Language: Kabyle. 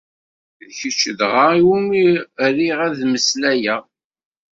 D kečč dɣa iwumi riɣ ad-s mmeslayeɣ.